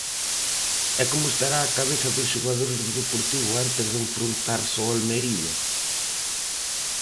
E como estará a cabeza dos xogadores do Deportivo antes de enfrontarse ao Almería?